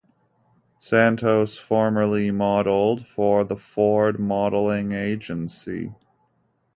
Santos formerly modeled for the Ford Modeling Agency.